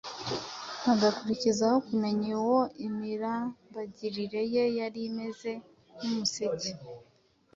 bagakurikizaho kumenya uwo imirambagirire ye yari imeze nk’umuseke,